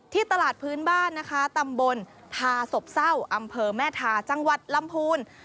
ตลาดพื้นบ้านนะคะตำบลทาศพเศร้าอำเภอแม่ทาจังหวัดลำพูน